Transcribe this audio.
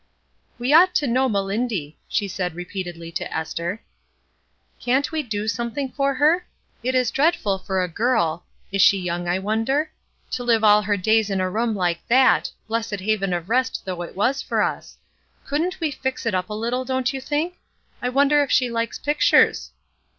"We ought to know Melindy," she said re peatedly to Esther. '* Can't we do something for her? It is dreadful for a girl — is she young, I wonder ?— to live all her days in a room like that 1 blessed haven of rest though it was for us. Couldn't we fix it up a little, don't you think? I won der if she likes pictures?"